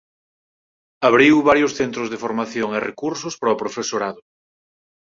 Abriu varios Centros de Formación e Recursos para o profesorado.